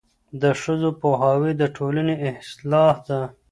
د ښځو پوهاوی د ټولنې اصلاح ده.